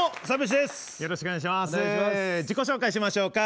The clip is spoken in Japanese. しましょう。